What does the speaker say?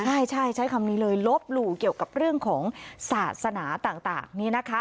ใช่ใช้คำนี้เลยลบหลู่เกี่ยวกับเรื่องของศาสนาต่างนี้นะคะ